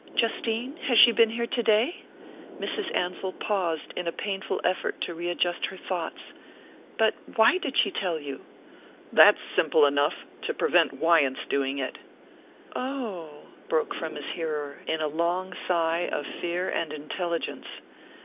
"Justine? Has she been here today?" Mrs. Ansell paused in a painful effort to readjust her thoughts. "But why did she tell you?" "That's simple enough. To prevent Wyant's doing it." "Oh " broke from his hearer, in a long sigh of fear and intelligence.